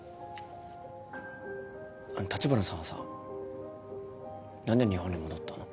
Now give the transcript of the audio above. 立花さんはさ何で日本に戻ったの？